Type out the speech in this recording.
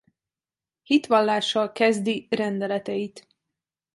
Hitvallással kezdi rendeleteit.